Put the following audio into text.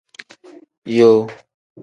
Yoo.